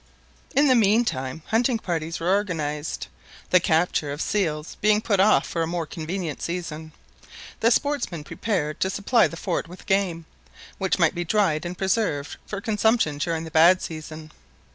In the meantime hunting parties were organised. The capture of seals being put off for a more convenient season, the sportsmen prepared to supply the fort with game, which might be dried and preserved for consumption during the bad season.